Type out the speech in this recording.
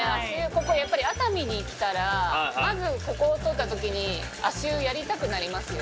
ここやっぱり熱海に来たらまずここを通った時に足湯やりたくなりますよね。